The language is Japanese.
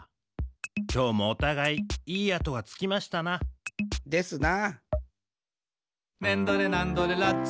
きょうもおたがいいい跡がつきましたな。ですな。